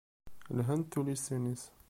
Lhant tullisin-is.